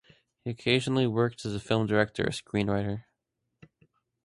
He occasionally worked as a film director or screenwriter.